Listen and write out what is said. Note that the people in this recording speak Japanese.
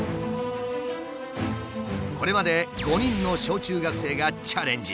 これまで５人の小中学生がチャレンジ。